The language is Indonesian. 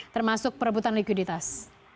termasuk perebutan likuiditas